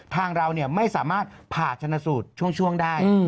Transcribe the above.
ทางเราไม่สามารถผ่าชนสูตรช่วงได้